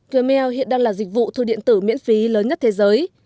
gmail hiện đang là dịch vụ thư điện tử miễn phí lớn nhất thế giới